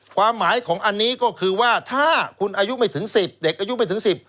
ความหมายของอันนี้ก็คือว่าถ้าคุณอายุไม่ถึง๑๐เด็กอายุไม่ถึง๑๐